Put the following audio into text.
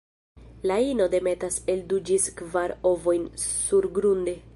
La ino demetas el du ĝis kvar ovojn surgrunde.